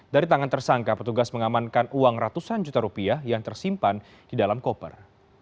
dari tangan tersangka petugas mengamankan uang ratusan juta rupiah yang tersimpan di dalam koper